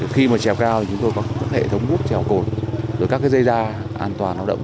khi mà chèo cao thì chúng tôi có các hệ thống bút chèo cột rồi các dây da an toàn lao động